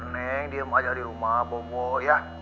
neng diam aja di rumah bobo ya